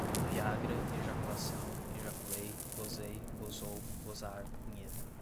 Viagra, ejaculação, ejaculei, gozei, gozou, gozar, punheta